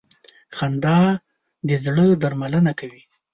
• خندا د زړه درملنه کوي.